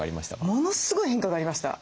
ものすごい変化がありました。